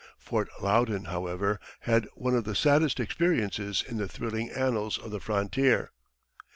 Fort Loudon, however, had one of the saddest experiences in the thrilling annals of the frontier.